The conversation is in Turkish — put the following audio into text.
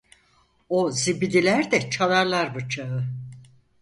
O zibidiler de çalarlar bıçağı.